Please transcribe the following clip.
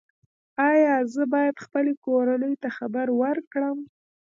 ایا زه باید خپلې کورنۍ ته خبر ورکړم؟